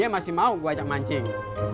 mau gue ajak mancing